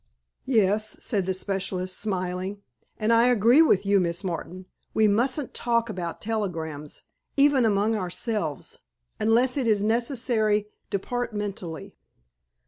"Yes," said the specialist, smiling. "And I agree with you, Miss Martin. We mustn't talk about telegrams, even among ourselves, unless it is necessary departmentally."